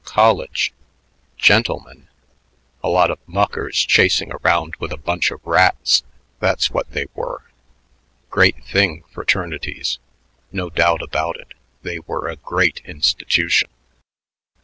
College! Gentlemen! A lot of muckers chasing around with a bunch of rats; that's what they were. Great thing fraternities. No doubt about it, they were a great institution.